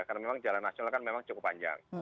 karena memang jalan nasional kan memang cukup panjang